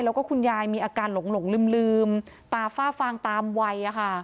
แล้วก็คุณยายมีอาการหลงลืมตาฝ้าฟางตามวัย